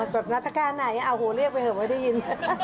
แบบนัฐการณ์ไหนโอ้โฮเรียกไปเถอะไม่ได้ยิน